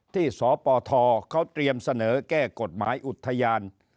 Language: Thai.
สปทเขาเตรียมเสนอแก้กฎหมายอุทยาน